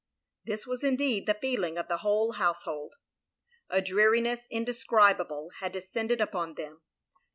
" This was indeed the feeling of the whole house hold. A dreariness indescribable had descended upon them.